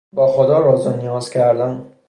با خدا راز و نیاز کردن